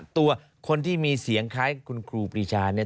ตัวคนที่มีเสียงคล้ายคุณครูปรีชาเนี่ย